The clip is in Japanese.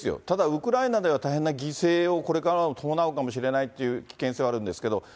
ただ、ウクライナでは大変な犠牲をこれからも伴うかもしれないという危険性はあるんですけど。